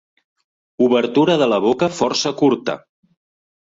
Obertura de la boca força curta.